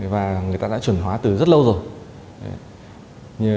và người ta đã chuẩn hóa từ rất lâu rồi